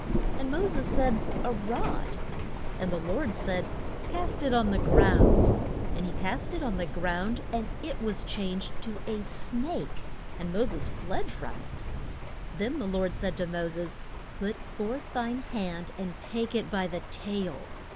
And Mo ses said, A rod, And the Lord said, Cast it on the ground. And he cast it on the ground, and it was changed to a snake, and Mo ses fled from it. Then the Lord said to Mo ses, Put forth thine hand, and take it by the tail.